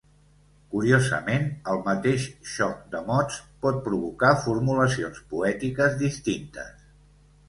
Curiosament, el mateix xoc de mots pot provocar formulacions poètiques distintes.